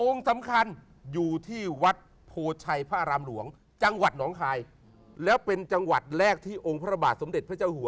สำคัญอยู่ที่วัดโพชัยพระอารามหลวงจังหวัดหนองคายแล้วเป็นจังหวัดแรกที่องค์พระบาทสมเด็จพระเจ้าหัว